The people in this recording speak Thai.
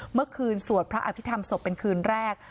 เมื่อคืนสวดพระอภิษฐรรมศพเป็นคืนแรก